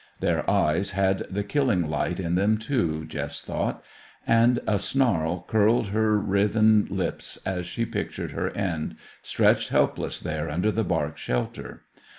Their eyes had the killing light in them too, Jess thought; and a snarl curled her writhen lips as she pictured her end, stretched helpless there under the bark shelter.